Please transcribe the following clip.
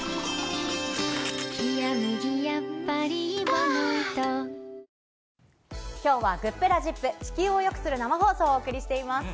まきょうはグップラ・ＺＩＰ！、地球をよくする生放送をお送りしています。